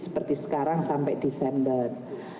seperti sekarang sampai desember